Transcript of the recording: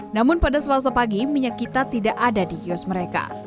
namun pada selasa pagi minyak kita tidak ada di kios mereka